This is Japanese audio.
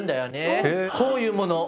こういうもの。